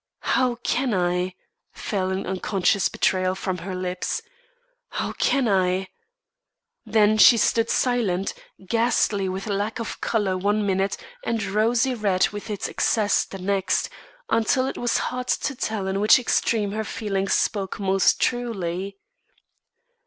"How can I?" fell in unconscious betrayal from her lips. "How can I!" Then she stood silent, ghastly with lack of colour one minute, and rosy red with its excess the next, until it was hard to tell in which extreme her feeling spoke most truly.